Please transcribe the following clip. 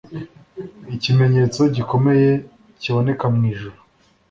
Ikimenyetso gikomeye kiboneka mu ijuru,